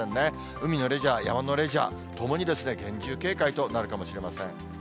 海のレジャー、山のレジャー、ともに厳重警戒となるかもしれません。